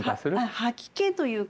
吐き気というか。